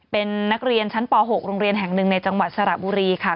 เป็นนักเรียนชั้นป๖โรงเรียนแห่งหนึ่งในจังหวัดสระบุรีค่ะ